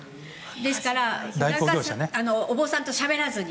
ですから、お坊さんとしゃべらずに。